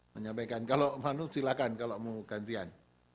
menyampaikan kalau manu silakan kalau mau gantian